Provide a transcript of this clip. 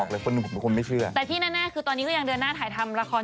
แต่ที่แน่คือตอนนี้ก็ยังเดินหน้าถ่ายทำลักษณ์